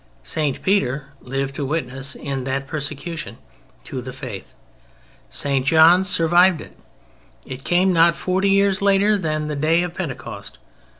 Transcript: St. Peter lived to witness, in that persecution, to the Faith. St. John survived it. It came not forty years later than the day of Pentecost.